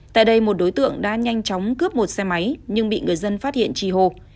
tại đây một đối tượng đã nhanh chóng cướp một xe máy nhưng bị người dân phát hiện trì hồ